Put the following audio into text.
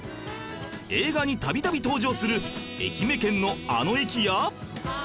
映画に度々登場する愛媛県のあの駅や